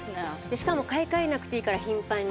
しかも買い替えなくていいから頻繁に。